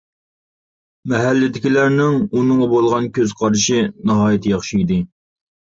مەھەللىدىكىلەرنىڭ ئۇنىڭغا بولغان كۆز قارىشى ناھايىتى ياخشى ئىدى.